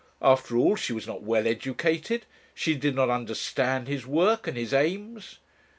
After all she was not well educated, she did not understand his work and his aims....